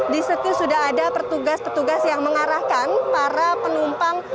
di seki sudah ada petugas petugas yang mengarahkan para penumpang